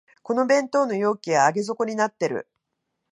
この弁当の容器は上げ底になってる